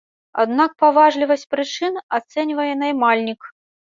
Аднак паважлівасць прычын ацэньвае наймальнік.